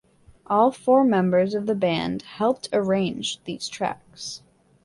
All four members of the band helped arrange these tracks.